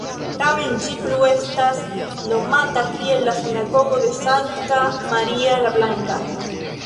Tamen ĝi plu estas nomata kiel la "Sinagogo de Sankta Maria la Blanka".